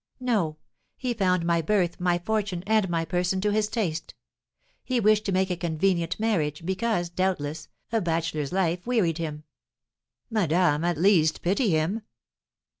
No; he found my birth, my fortune, and my person, to his taste. He wished to make a convenient marriage, because, doubtless, a bachelor's life wearied him." "Madame, at least pity him."